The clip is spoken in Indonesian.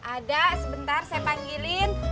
ada sebentar saya panggilin